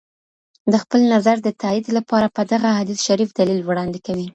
د خپل نظر د تائيد لپاره پدغه حديث شريف دليل وړاندي کوي.